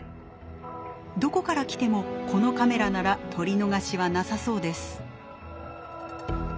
どこから来てもこのカメラなら撮り逃しはなさそうです。